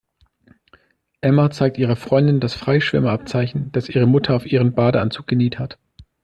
Emma zeigt ihrer Freundin das Freischwimmer-Abzeichen, das ihre Mutter auf ihren Badeanzug genäht hat.